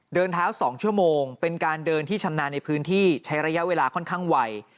เดินเท้า๒ชั่วโมงเป็นการเดินที่ชำนาญในพื้นที่ใช้ระยะเวลาค่อนข้างไว